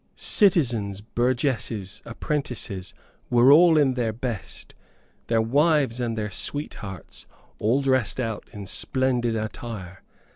Citizens, burgesses, apprentices were all in their best, their wives and their sweethearts all dressed out in splendid attire.